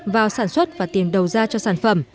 vào sản xuất và tiền đầu ra cho sản phẩm